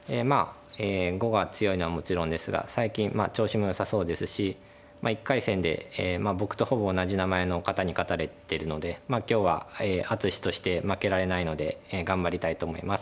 碁が強いのはもちろんですが最近調子もよさそうですし１回戦で僕とほぼ同じ名前の方に勝たれてるので今日は「篤史」として負けられないので頑張りたいと思います。